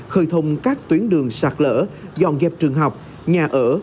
khởi thông các tuyến đường sạt lở dọn dẹp trường học nhà ở